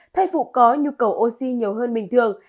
thai phụ có nhu cầu oxy nhiều hơn bình thường